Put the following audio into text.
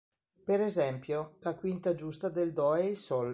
Per esempio, la quinta giusta del Do è il Sol.